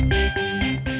terima kasih bu